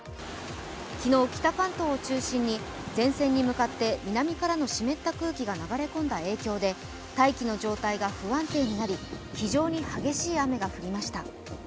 昨日、北関東を中心に前線に向かって南からの湿った空気が流れ込んだ影響で大気の状態が不安定になり、非常に激しい雨が降りました。